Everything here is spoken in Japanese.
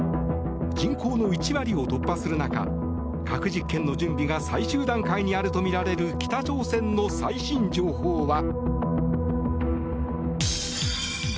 人口の１割を突破する中核実験の準備が最終段階にあるとみられる北朝鮮の最新情報は。